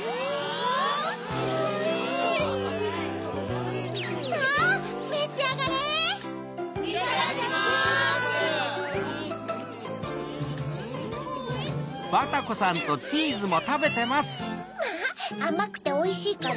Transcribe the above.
・おいしい！